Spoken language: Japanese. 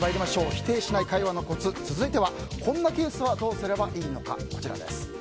否定しない会話のコツ続いてはこんなケースはどうすればよいのか。